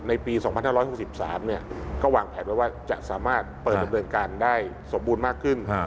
ปี๒๕๖๓ก็วางแผนไว้ว่าจะสามารถเปิดดำเนินการได้สมบูรณ์มากขึ้น